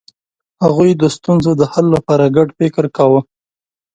هغوی د ستونزو د حل لپاره ګډ فکر کاوه.